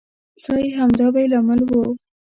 ښایي همدا به یې لامل و.